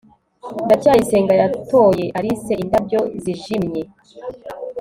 ndacyayisenga yatoye alice indabyo zijimye